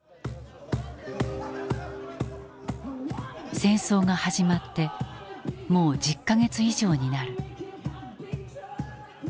戦争が始まってもう１０か月以上になる。